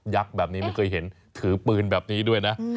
แบบนี้ไม่เคยเห็นถือปืนแบบนี้ด้วยนะ